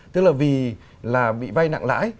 tức là vì là bị vay nặng lãi